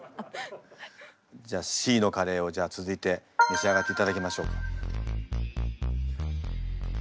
じゃあＣのカレーを続いて召し上がっていただきましょうか。